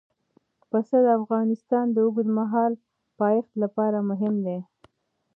پسه د افغانستان د اوږدمهاله پایښت لپاره مهم دی.